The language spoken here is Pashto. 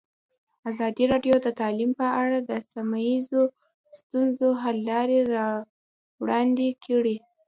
ازادي راډیو د تعلیم په اړه د سیمه ییزو ستونزو حل لارې راوړاندې کړې.